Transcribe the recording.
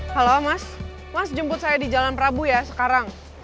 halo mas mas jemput saya di jalan prabu ya sekarang